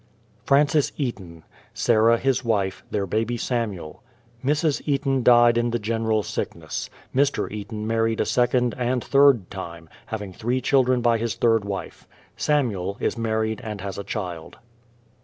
FRANCIS EATON; Sarah, his wife; their baby, Samuel. Mrs. Eaton died in the general sickness. Mr. Eaton mar ried a second and third time, having three children by his third wife. Samuel is married and has a child.